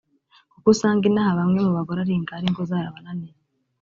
kuko usanga inaha bamwe mu bagore ari ingare ingo zarabananiye